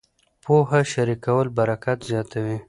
پوهه شریکول برکت زیاتوي.